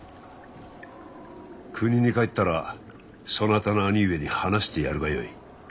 国に帰ったらそなたの兄上に話してやるがよい。